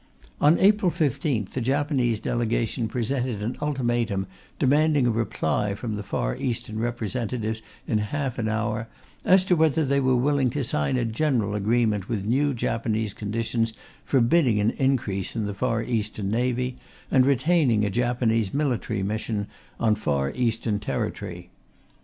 On April 15th the Japanese Delegation presented an ultimatum demanding a reply from the Far Eastern representatives in half an hour as to whether they were willing to sign a general agreement with new Japanese conditions forbidding an increase in the Far Eastern Navy and retaining a Japanese military mission on Far Eastern territory.